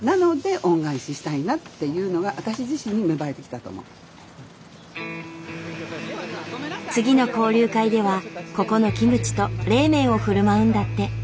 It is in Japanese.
ただ本当に次の交流会ではここのキムチと冷麺をふるまうんだって。